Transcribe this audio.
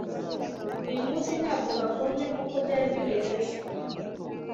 uyu munsi ntabwo hakonje nkuko byari bimeze ejo